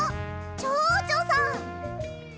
ちょうちょさん！